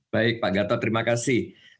baik pak gatot terima kasih